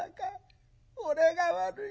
俺が悪い。